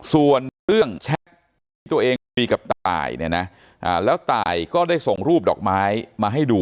ส่วนเรื่องแชทที่ตัวเองคุยกับตายเนี่ยนะแล้วตายก็ได้ส่งรูปดอกไม้มาให้ดู